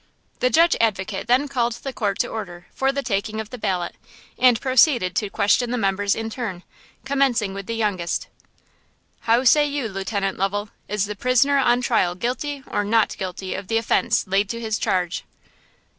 The Judge Advocate then called the court to order for the taking of the ballot, and proceeded to question the members in turn, commencing with the youngest. "How say you, Lieutenant Lovel, is the prisoner on trial guilty or not guilty of the offence laid to his charge?"